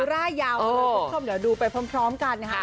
ร่ายยาวมาเลยคุณผู้ชมเดี๋ยวดูไปพร้อมกันนะคะ